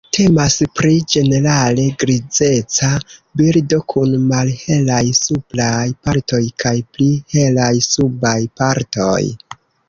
Temas pri ĝenerale grizeca birdo kun malhelaj supraj partoj kaj pli helaj subaj partoj.